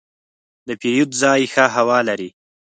د پیرود ځای ښه هوا لري.